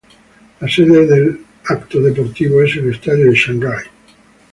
La sede del evento deportivo es el estadio de Shanghái.